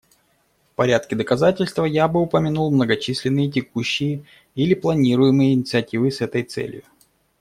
В порядке доказательства я бы упомянул многочисленные текущие или планируемые инициативы с этой целью.